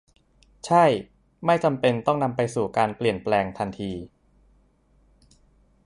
ใช่ ไม่จำเป็นต้องนำไปสู่การเปลี่ยนแปลงทันที